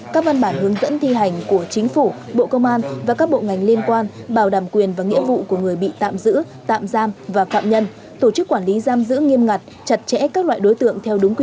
các văn bản hướng dẫn thi hành của chính phủ bộ công an và các bộ ngành liên quan bảo đảm quyền và nghĩa vụ của người bị tạm giữ tạm giam và phạm nhân